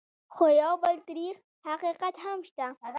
خو یو بل تريخ حقیقت هم شته: